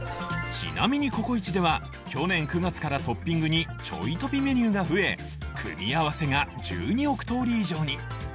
ちなみにＣｏＣｏ壱では去年９月からトッピングに「ちょいトピメニュー」が増え組み合わせが１２億通り以上に！